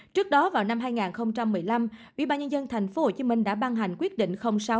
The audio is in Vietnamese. trước đó vào năm hai nghìn một mươi năm ủy ba nhân dân tp hcm đã ban hành quyết định sáu